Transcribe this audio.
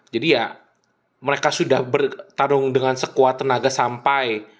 jadi ya mereka sudah bertarung dengan sekuat tenaga sampai